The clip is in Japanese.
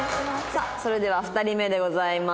さあそれでは２人目でございます。